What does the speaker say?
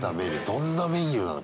どんなメニューなの？